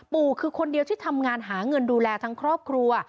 ปู่คือคนเดียวที่ทำงานหาเงินดูแลทั้งครอบครัว